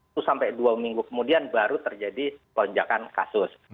itu sampai dua minggu kemudian baru terjadi lonjakan kasus